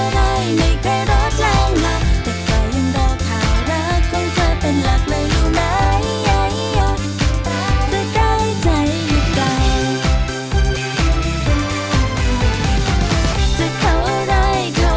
รักรักรักรักแต่ก็ยังรอข่าวรัก